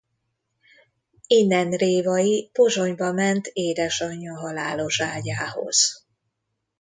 Innen Révay Pozsonyba ment édesanyja halálos ágyához.